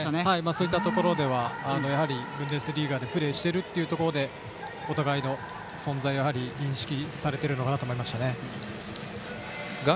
そういったところではブンデスリーガでプレーしているというところでお互いの存在を認識されていると思います。